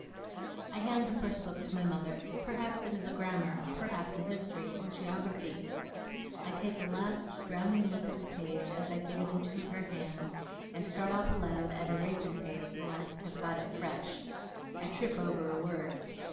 I hand the first book to my mother. Perhaps it is a grammar, perhaps a history, or geography. I take a last drowning look at the page as I give it into her hand, and start off aloud at a racing pace while I have got it fresh. I trip over a word.